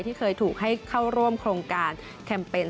ที่เคยถูกให้เข้าร่วมโครงการแคมเปญ